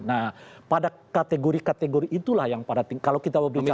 nah pada kategori kategori itulah yang pada kalau kita berbicara